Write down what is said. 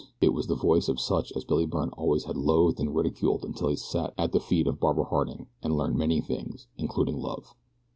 It was the voice of such as Billy Byrne always had loathed and ridiculed until he had sat at the feet of Barbara Harding and learned many things, including love.